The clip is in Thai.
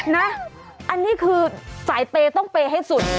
นะอันนี้คือสายเปย์ต้องเปย์ให้สุด